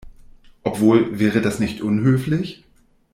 Obwohl, wäre das nicht unhöflich?